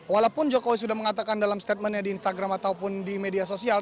walaupun jokowi sudah mengatakan dalam statementnya di instagram ataupun di media sosial